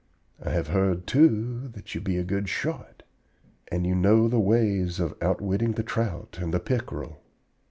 I have heard, too, that you be a good shot, and that you know the ways of outwitting the trout and the pickerel.